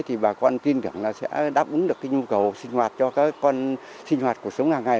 thì bà con tin tưởng là sẽ đáp ứng được cái nhu cầu sinh hoạt cho các con sinh hoạt cuộc sống hàng ngày